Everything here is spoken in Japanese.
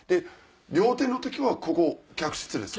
料亭の時はここ客室ですか？